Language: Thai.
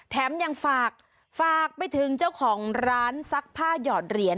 ยังฝากไปถึงเจ้าของร้านซักผ้าหยอดเหรียญ